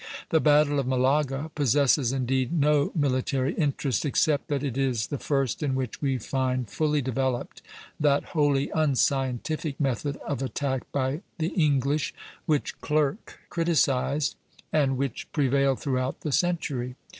The battle of Malaga possesses indeed no military interest, except that it is the first in which we find fully developed that wholly unscientific method of attack by the English which Clerk criticised, and which prevailed throughout the century.